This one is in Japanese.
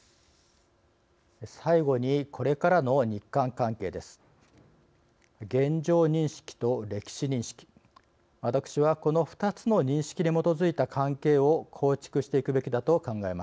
最後にこれからの日韓関係です。